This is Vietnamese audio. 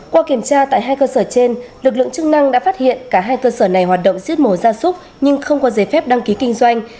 qua kiểm tra tại hai cơ sở trên lực lượng chức năng đã phát hiện cả hai cơ sở này hoạt động giết mổ ra súc nhưng không có giấy phép đăng ký kinh doanh